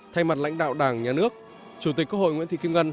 thay mặt lãnh đạo đảng nhà nước chủ tịch quốc hội nguyễn thị kim ngân